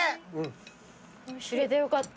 知れてよかった。